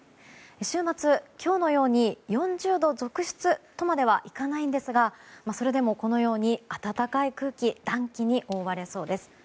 週末、今日のように４０度続出とまではいかないんですがそれでもこのように暖かい空気暖気に覆われそうです。